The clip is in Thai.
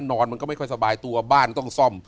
มันก็ไม่ค่อยสบายตัวบ้านต้องซ่อม